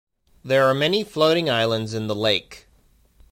There are many floating islands in the lake.